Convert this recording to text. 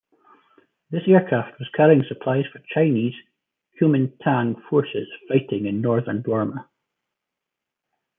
This aircraft was carrying supplies for Chinese Kuomintang forces fighting in northern Burma.